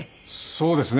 そうですか。